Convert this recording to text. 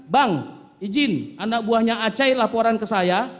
bang izin anak buahnya acai laporan ke saya